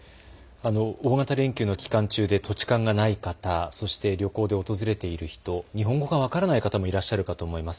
大型連休の期間中で土地勘がない方、そして旅行で訪れている人、日本語が分からない方もいらっしゃるかと思います。